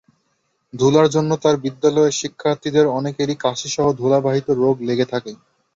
ধুলার জন্য তাঁর বিদ্যালয়ের শিক্ষার্থীদের অনেকেরই কাশিসহ ধুলাবাহিত রোগ লেগে থাকে।